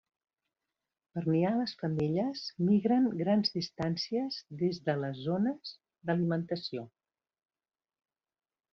Per niar les femelles migren grans distàncies des de les zones d'alimentació.